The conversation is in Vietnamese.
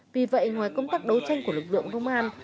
vì vậy ngoài công tác đấu tranh của lực lượng công an